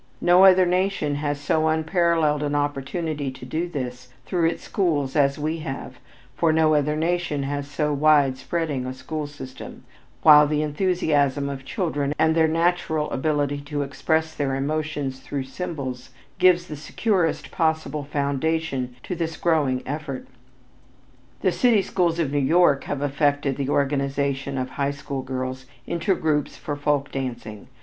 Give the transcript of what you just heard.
No other nation has so unparalleled an opportunity to do this through its schools as we have, for no other nation has so wide spreading a school system, while the enthusiasm of children and their natural ability to express their emotions through symbols, gives the securest possible foundation to this growing effort. The city schools of New York have effected the organization of high school girls into groups for folk dancing.